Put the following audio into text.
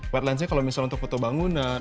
wide lens nya kalau misalnya untuk foto bangunan